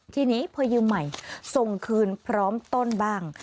ทีนี้พอยืมใหม่ส่งคืนพร้อมต้นบ้าง